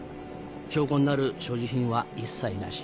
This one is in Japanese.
証拠になる所持品は一切なし。